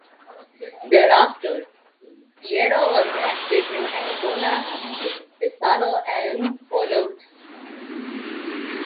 Thereafter Piero was active in Ancona, Pesaro and Bologna.